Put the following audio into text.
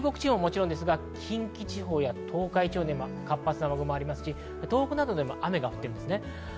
中国地方もですが近畿地方や東海地方で活発な雨雲がありますし、東北などでも雨が降っています。